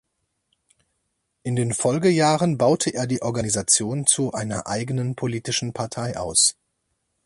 In den Folgejahren baute er die Organisation zu einer eigenen politischen Partei aus.